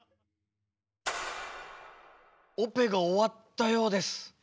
オペが終わったようです。